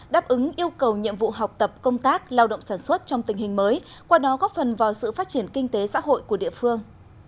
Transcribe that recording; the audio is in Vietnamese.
đáp ứng yêu cầu nhiệm vụ học tập công tác lao động sản xuất trong tình hình mới qua đó góp phần vào sự phát triển kinh tế xã hội của địa phương